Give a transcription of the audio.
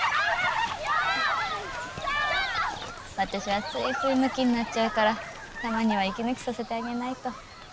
私はついついムキになっちゃうからたまには息抜きさせてあげないと。